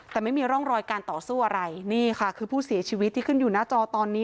แต่ไม่มีร่องรอยการต่อสู้อะไรนี่ค่ะคือผู้เสียชีวิตที่ขึ้นอยู่หน้าจอตอนนี้